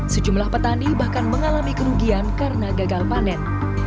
sejumlah petani bahkan mengalami kerugian karena gagal panen